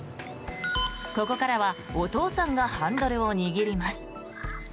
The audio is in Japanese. ここからはお父さんがハンドルを握ります。